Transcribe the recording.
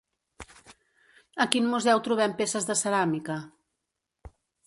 A quin museu trobem peces de ceràmica?